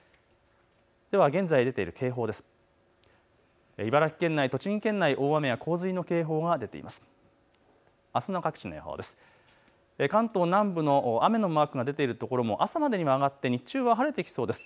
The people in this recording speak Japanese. では現在、出ている警報です。